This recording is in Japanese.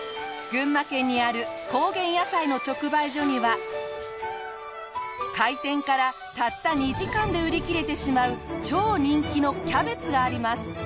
群馬県にある高原野菜の直売所には開店からたった２時間で売り切れてしまう超人気のキャベツがあります。